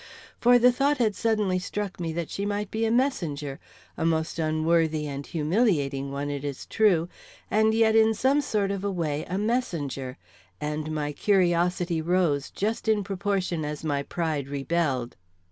For the thought had suddenly struck me that she might be a messenger a most unworthy and humiliating one it is true, and yet in some sort of a way a messenger, and my curiosity rose just in proportion as my pride rebelled.